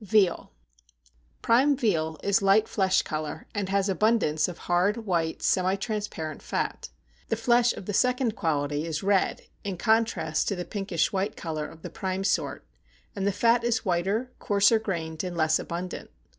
=Veal.= Prime veal is light flesh color, and has abundance of hard, white, semi transparent fat. The flesh of the second quality is red in contrast to the pinkish white color of the prime sort; and the fat is whiter, coarser grained, and less abundant.